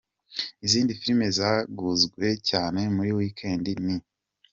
Izindi filime zaguzwe cyane muri weekend ni:.